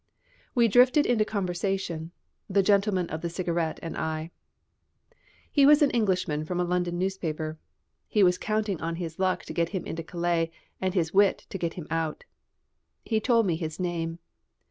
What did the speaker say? We drifted into conversation, the gentleman of the cigarette and I. He was an Englishman from a London newspaper. He was counting on his luck to get him into Calais and his wit to get him out. He told me his name.